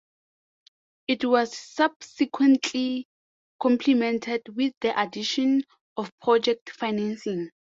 It was subsequently complemented with the addition of project financing.